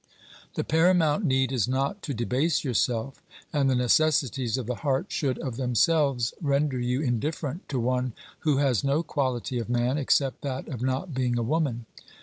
The paramount need is not to debase yourself, and the necessities of the heart should of themselves render you indifferent to one who has no quality of man except that of not being a woman.